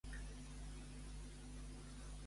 Podries posar al safareig una cançó de Metallica?